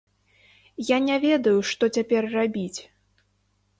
Я не ведаю што цяпер рабіць.